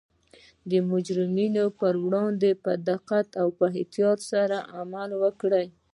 د مجرمینو پر وړاندې په دقت او احتیاط سره عمل وکړي